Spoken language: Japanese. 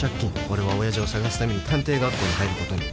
俺は親父を捜すために探偵学校に入ることに。